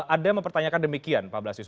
ada yang mempertanyakan demikian pak blasius